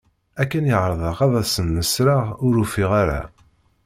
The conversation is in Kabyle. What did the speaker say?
Akken i ɛerḍeɣ ad asen-d-nesreɣ ur ufiɣ ara.